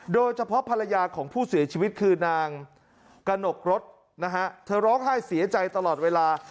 โดยเฉพาะภรรยาของผู้เสียชีวิตคือนางกระหนกรถนะฮะเธอร้องไห้เสียใจตลอดเวลา